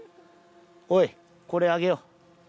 おいこれ上げよう。